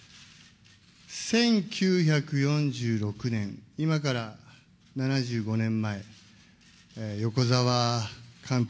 １９４６年、今から７５年前、よこざわ監督